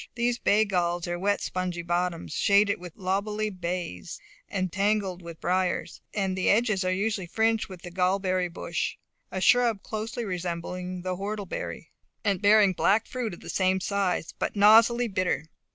These bay galls are wet spongy bottoms, shaded with loblolly bays, and tangled with briers, and the edges are usually fringed with the gall berry bush a shrub closely resembling the whortleberry, and bearing a black fruit of the same size, but nauseously bitter.